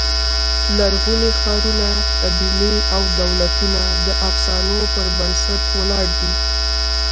لرغوني ښارونه، قبیلې او دولتونه د افسانو پر بنسټ ولاړ دي.